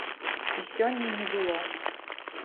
І сёння не было!